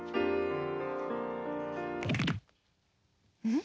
ん？